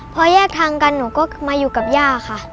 พอแยกทางกันหนูก็มาอยู่กับย่าค่ะ